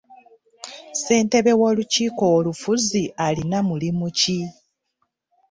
Ssentebe w'olukiiko olufuzi alina mulimu ki?